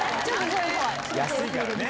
安いからね。